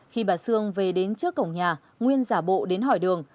khi bà sương về đến trước cổng nhà nguyên giả bộ đến hỏi đường